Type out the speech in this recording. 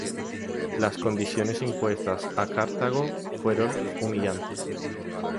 Las condiciones impuestas a Cartago fueron humillantes.